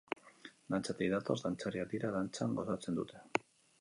Dantzatik datoz, dantzariak dira, dantzan gozatzen dute.